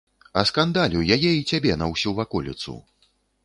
Аскандалю яе і цябе на ўсю ваколіцу.